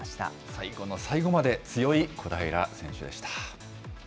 最後の最後まで強い小平選手でした。